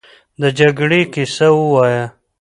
د دې جګړې کیسه ووایه.